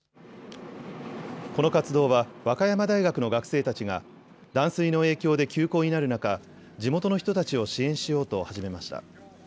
この活動は和歌山大学の学生たちが断水の影響で休校になる中、地元の人たちを支援しようと始めました。